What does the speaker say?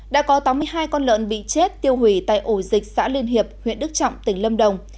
đã có tám mươi hai con lợn bị chết tiêu hủy tại ổ dịch xã liên hiệp huyện đức trọng tỉnh lâm đồng